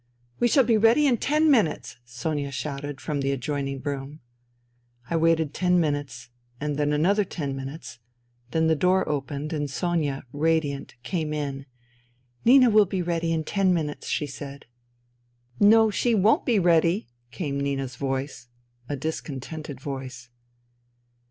" We shall be ready in ten minutes," Sonia shoutec from the adjoining room. I waited ten minutes, and another ten minutes Then the door opened and Sonia, radiant, came in " Nina will be ready in ten minutes," she said. NINA 239 " No, she won't be ready !" came Nina's voice — a discontented voice.